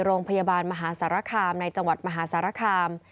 โรงพยาบาลมหาสารคามในจังหวัดมหาสารคาม